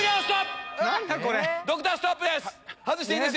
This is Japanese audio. ドクターストップです。